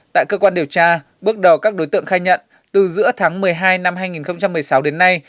tại cơ quan điều tra bước đầu các đối tượng khai nhận từ giữa tháng một mươi hai năm hai nghìn một mươi sáu đến nay